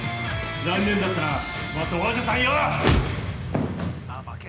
◆残念だったな、元王者さんよぉ！